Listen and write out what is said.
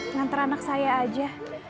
ngantar anak saya aja